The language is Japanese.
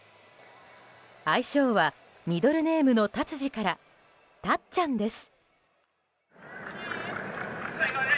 愛称はミドルネームのタツジからたっちゃんです。